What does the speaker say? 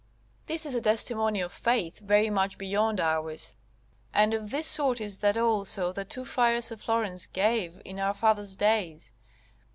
This is a testimony of faith very much beyond ours. And of this sort is that also that two friars of Florence gave in our fathers' days.